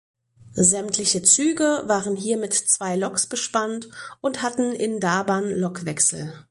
Sämtliche Züge waren hier mit zwei Loks bespannt und hatten in Daban Lokwechsel.